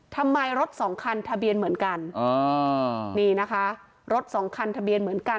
ทำไมรถสองคันทะเบียนเหมือนกันอ๋อนี่นะคะรถสองคันทะเบียนเหมือนกัน